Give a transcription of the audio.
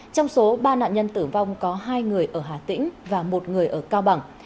trong số ba nạn nhân tử vong có hai người ở hà tĩnh và một người ở cao bằng